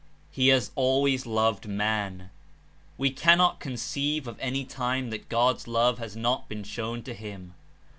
He has always loved man. We cannot conceive of any time that God's love has not been shown to him.